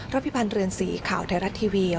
พิพันธ์เรือนสีข่าวไทยรัฐทีวี